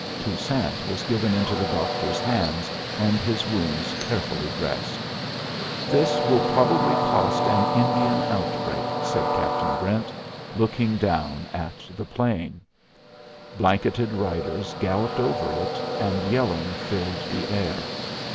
Toussaint was given into the doctor's hands, and his wounds carefully dressed. "This will probably cost an Indian outbreak," said Captain Brent, looking down at the plain. Blanketed riders galloped over it, and yelling filled the air.